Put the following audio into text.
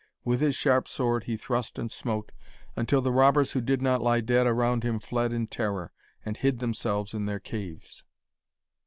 With his sharp sword he thrust and smote, until the robbers who did not lie dead around him fled in terror, and hid themselves in their caves.